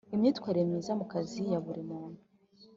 imyitwarire myiza mu kazi ya buri muntu